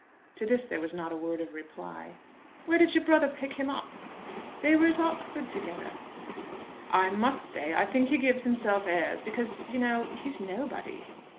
To this there was not a word of reply. "Where did your brother pick him up?" "They were at Oxford together." "I must say I think he gives himself airs; because, you know, he's nobody."